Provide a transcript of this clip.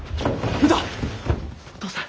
お義父さん